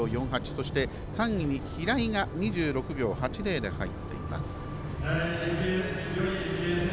そして３位に平井が２６秒８０で入っています。